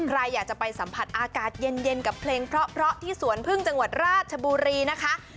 ใครอยากจะไปสัมผัสอากาศเย็นกับเพลงเพราะที่สวนพึ่งจังหวัดราชบุรีนะคะ